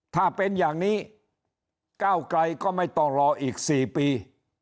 ถ้าเป็นอย่างนี้ก้าวไกลก็ไม่ต้องรออีก๔ปี